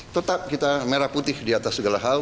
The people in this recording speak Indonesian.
tetap kita merah putih di atas segala hal